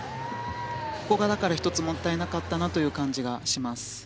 ここが１つもったいなかったなという気がします。